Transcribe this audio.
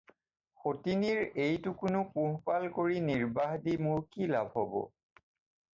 সতিনীৰ এইটোকোনো পোহ-পাল কৰি নিৰ্বাহ দি মোৰ কি লাভ হ'ব?